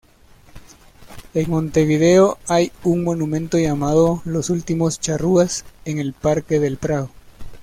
En Montevideo hay un monumento llamado "Los últimos charrúas" en el parque del Prado.